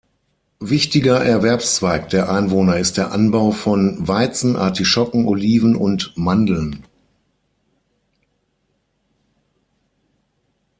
Wichtiger Erwerbszweig der Einwohner ist der Anbau von Weizen, Artischocken, Oliven und Mandeln.